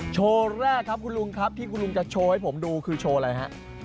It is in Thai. โชว์แรกครับคุณลุงครับที่คุณลุงจะโชว์ให้ผมดูคือโชว์อะไรฮะ